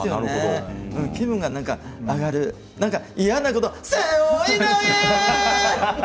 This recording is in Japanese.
気分が上がる嫌なこと、背負い投げ！